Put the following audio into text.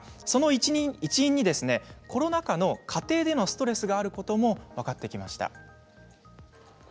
その一因に、コロナ禍の家庭でのストレスがあることも分かってきました。